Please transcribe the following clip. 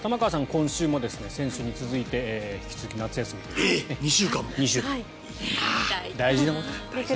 今週も先週に続いて引き続き夏休みということです。